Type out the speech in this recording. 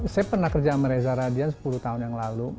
saya pernah kerja sama reza radian sepuluh tahun yang lalu